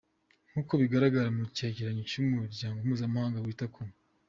Nk’uko bigaragara mu cyegeranyo cy’umuryango mpuzamahanga wita ku